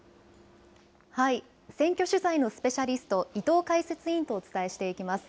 選挙取材のスペシャリスト、伊藤解説委員とお伝えしていきます。